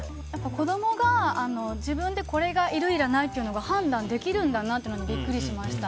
子供が自分でこれがいる、いらないって判断できるんだなというのにビックリしました。